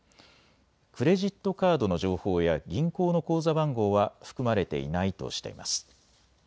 クレジットカードの情報や銀行の口座番号は含まれていないとしています。